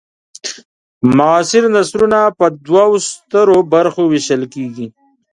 معاصر نثرونه په دوو سترو برخو وېشل کیږي.